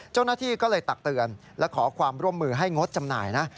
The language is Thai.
เจ้าหน้าที่ก็เลยตักเตือนและขอความร่วมมือให้งดจำหน่ายนะ